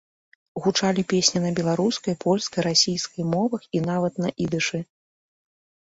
Гучалі песні на беларускай, польскай, расійскай мовах і нават на ідышы.